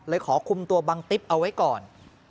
ขอคุมตัวบังติ๊บเอาไว้ก่อน